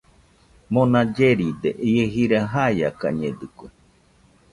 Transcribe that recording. Mona lleride ie jira jaiakañedɨkue